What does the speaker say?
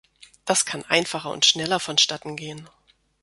Das kann einfacher und schneller vonstatten gehen.